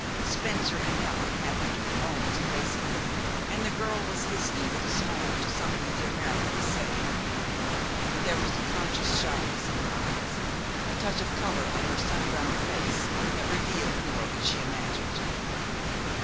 Spencer and Helen happened to be almost facing him, and the girl was listening with a smile to something the American was saying. But there was a conscious shyness in her eyes, a touch of color on her sun browned face, that revealed more than she imagined.